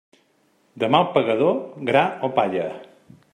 Del mal pagador, gra o palla.